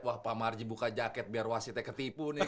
wah pak marji buka jaket biar wasitnya ketipu nih